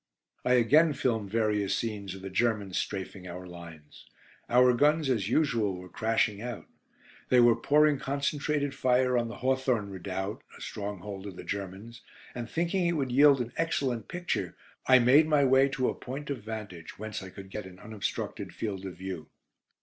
I again filmed various scenes of the Germans "strafing" our lines. Our guns, as usual, were crashing out. They were pouring concentrated fire on the Hawthorn Redoubt, a stronghold of the Germans, and thinking it would yield an excellent picture, I made my way to a point of vantage, whence I could get an unobstructed field of view.